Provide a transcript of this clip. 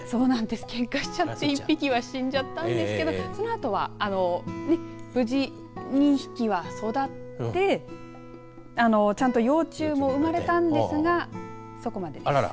けんかしちゃって１匹は死んじゃったんですけどそのあとは無事、２匹は育ってちゃんと幼虫も生まれたんですがそこまでです。